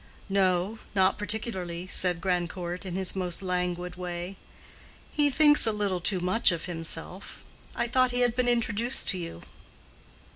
"No, not particularly," said Grandcourt, in his most languid way. "He thinks a little too much of himself. I thought he had been introduced to you."